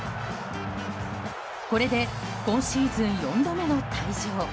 これで今シーズン４度目の退場。